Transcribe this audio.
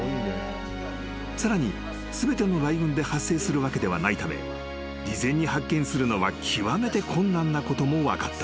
［さらに全ての雷雲で発生するわけではないため事前に発見するのは極めて困難なことも分かった］